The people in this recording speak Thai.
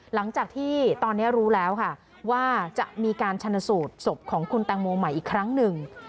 หลังจากที่ตอนนี้รู้แล้วค่ะว่าจะมีการชนสูตรศพของคุณแตงโมใหม่อีกครั้งหนึ่ง